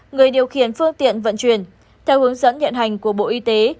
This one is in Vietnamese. người điều khiển phương tiện vận chuyển theo hướng dẫn hiện hành của bộ y tế